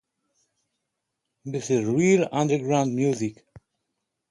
Chciałem jedynie powiedzieć w imieniu swojej grupy, że w pełni popieramy pańskie stanowisko